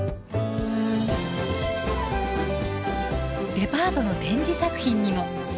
デパートの展示作品にも。